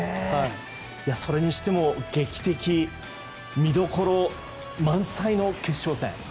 それにしても劇的見どころ満載の決勝戦。